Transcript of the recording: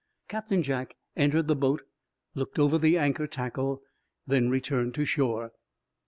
Captain Jack entered the boat, looked over the anchor tackle, then returned to shore.